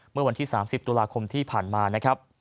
เมื่อวันที่๓๐ตุลาคมที่ผ่านมา